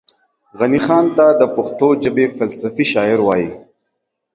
غني خان ته دا پښتو ژبې فلسفي شاعر وايي